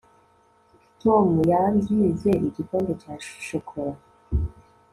tom yangize igikombe cya shokora